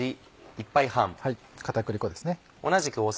片栗粉ですね。